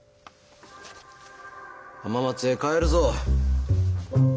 浜松へ帰るぞ。